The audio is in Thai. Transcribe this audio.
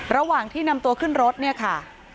ระหว่างที่นำตัวขึ้นรถเนี่ยค่ะ